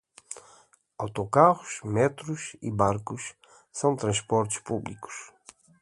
Autocarros, metros e barcos são transportes públicos.